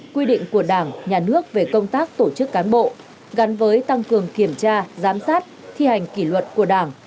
quy định của đảng nhà nước về công tác tổ chức cán bộ gắn với tăng cường kiểm tra giám sát thi hành kỷ luật của đảng